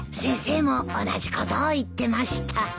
先生も同じことを言ってました。